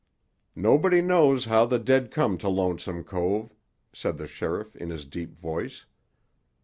"Nobody knows how the dead come to Lonesome Cove," said the sheriff in his deep voice.